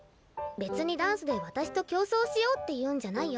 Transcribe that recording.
別にダンスで私と競争しようっていうんじゃないよ？